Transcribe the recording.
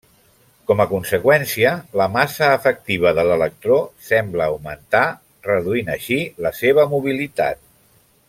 Com a conseqüència, la massa efectiva de l'electró sembla augmentar, reduint així la seva mobilitat.